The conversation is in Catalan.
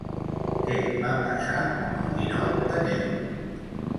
Què va passar amb el ninot de neu?